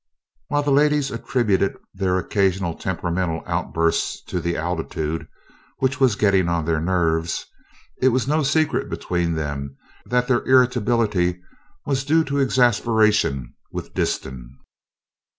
While the ladies attributed their occasional temperamental outbursts to the altitude, which was "getting on their nerves," it was no secret between them that their irritability was due to exasperation with Disston.